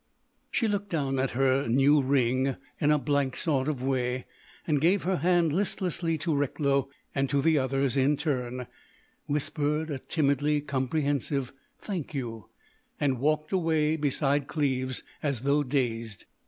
She looked down at her new ring in a blank sort of way, gave her hand listlessly to Recklow and to the others in turn, whispered a timidly comprehensive "Thank you," and walked away beside Cleves as though dazed.